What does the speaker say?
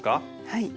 はい。